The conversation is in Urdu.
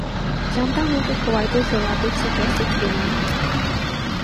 جانتا ہوں کے قوائد و ضوابط سے کیسے کھیلنا ہے